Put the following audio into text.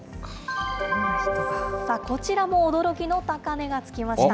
こちらも驚きの高値がつきました。